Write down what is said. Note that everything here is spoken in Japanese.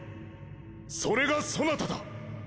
それがそなただ！